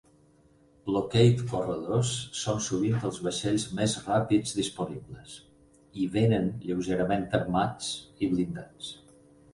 Blockade corredors són sovint els vaixells més ràpids disponibles, i vénen lleugerament armats i blindats.